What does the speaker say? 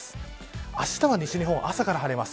あしたは西日本朝から晴れます。